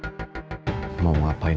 tante nawang yang keliatan